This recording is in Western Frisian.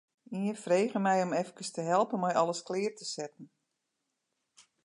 Ien frege my om efkes te helpen mei alles klear te setten.